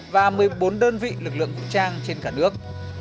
và một mươi bốn đơn vị lực lượng vũ trang trên cả nước